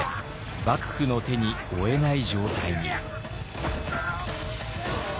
幕府の手に負えない状態に。